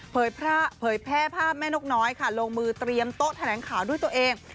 เผยแพร่ภาพแม่นกน้อยค่ะลงมือเตรียมโต๊ะแถลงข่าวด้วยตัวเอง